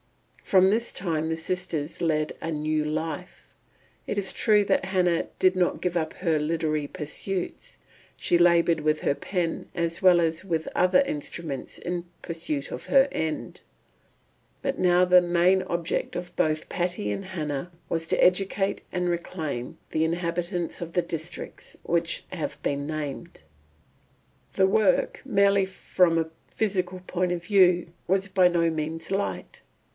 From this time the sisters led a new life. It is true that Hannah did not give up her literary pursuits; she laboured with her pen as well as with other instruments in pursuit of her end. But now the main object of both Patty and Hannah was to educate and reclaim the inhabitants of the districts which have been named. The work, merely from a physical point of view, was by no means light.